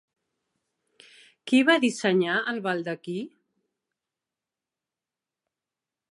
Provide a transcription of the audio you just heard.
Qui va dissenyar el baldaquí?